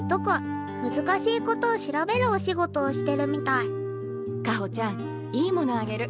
難しいことを調べるお仕事をしてるみたい香歩ちゃんいいものあげる。